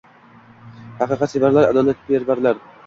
— Haqiqatsevarlar, adolatparvarlar.